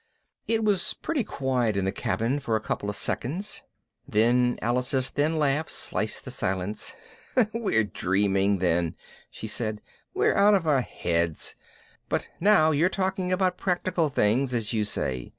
It was pretty quiet in the cabin for a couple of seconds. Then Alice's thin laugh sliced the silence. "We were dreaming then," she said. "We were out of our heads. But now you're talking about practical things, as you say.